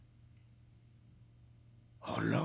「あら？